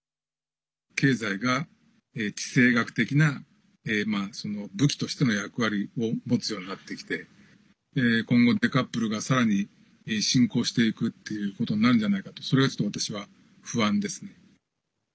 経済が、地政学的な武器としての役割を持つようになってきて今後、デカップルが、さらに進行していくっていうことになるんじゃないかとそれがちょっと私は不安ですね。